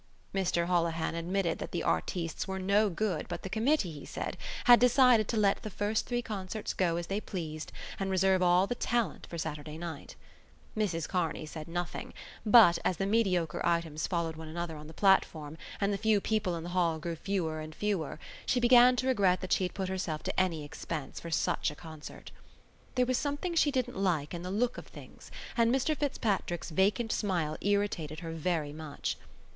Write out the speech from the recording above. Mr Holohan admitted that the artistes were no good but the Committee, he said, had decided to let the first three concerts go as they pleased and reserve all the talent for Saturday night. Mrs Kearney said nothing, but, as the mediocre items followed one another on the platform and the few people in the hall grew fewer and fewer, she began to regret that she had put herself to any expense for such a concert. There was something she didn't like in the look of things and Mr Fitzpatrick's vacant smile irritated her very much.